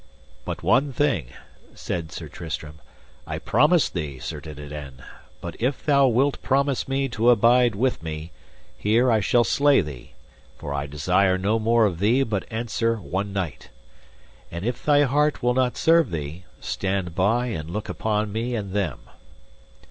But one thing, said Sir Tristram, I promise thee, Sir Dinadan, but if thou wilt promise me to abide with me, here I shall slay thee, for I desire no more of thee but answer one knight. And if thy heart will not serve thee, stand by and look upon me and them.